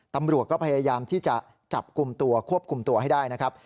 ตำรวจก็พยายามที่จะจับกลุ่มตัวควบคุมตัวให้ได้นะครับ